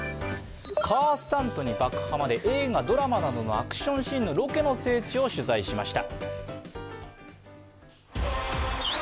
カースタントに爆破まで映画・ドラマなどのアクションシーンのロケの聖地を取材しました。